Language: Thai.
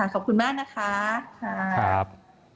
ขอบคุณมากนะคะครับ